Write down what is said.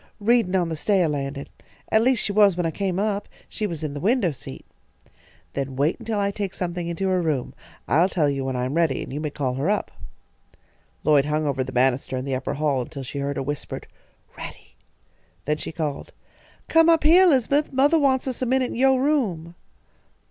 "Readin' on the stair landin'. At least she was when I came up. She was in the window seat." "Then wait until I take something into her room. I'll tell you when I am ready, and you may call her up." Lloyd hung over the banister in the upper hall until she heard a whispered "Ready;" then she called: "Come up heah, Elizabeth, mothah wants us a minute in yo' room."